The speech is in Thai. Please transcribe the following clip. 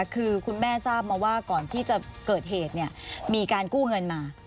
คือคุณแม่ทราบมาว่าก่อนที่จะเกิดเหตุมีการกู้เงินมา